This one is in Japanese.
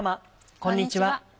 こんにちは。